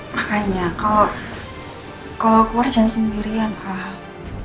makanya kalau keluar jangan sendirian al